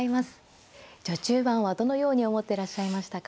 序中盤はどのように思っていらっしゃいましたか。